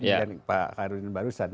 dan pak harun barusan